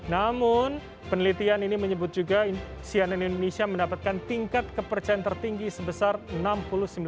namun penelitian ini menyebut juga sianen indonesia mendapatkan tingkat kepercayaan tertinggi dari media sosial